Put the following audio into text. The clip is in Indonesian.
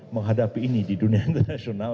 menghadapi ini di dunia internasional